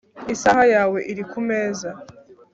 isaha yawe iri kumeza